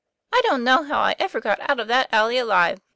' I don't know how I ever got out of that alley alive.